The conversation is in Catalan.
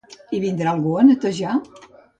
I vindrà algú a netejar?